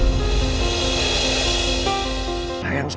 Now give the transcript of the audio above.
dan kita makin gua bisa bareng aja